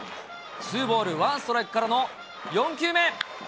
ツーボールワンストライクからの４球目。